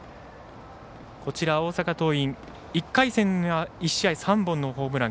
大阪桐蔭、１回戦では１試合３本のホームラン。